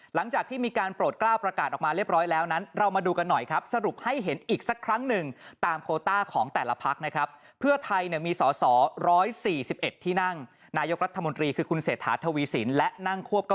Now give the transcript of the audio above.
หลังจากที่มีการโปรดกล้าวประกาศออกมาเรียบร้อยแล้ว